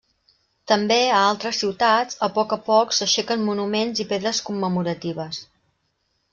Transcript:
També, a altres ciutats, a poc a poc s'aixequen monuments i pedres commemoratives.